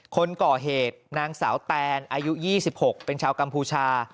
คนก่อเหตุนางสาวแตนอายุ๒๖เป็นชาวกัมพูชา